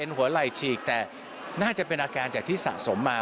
หัวไหล่ฉีกแต่น่าจะเป็นอาการจากที่สะสมมา